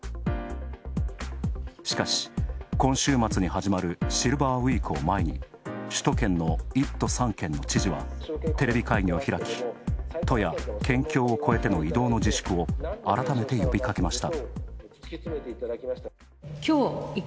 しかし、今週末に始まるシルバーウイークを前に、首都圏の１都３県の知事はテレビ会議を開き、都や県境を越えての移動の自粛を改めて呼びかけました。